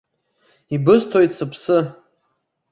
Ибысҭоит сыԥсы!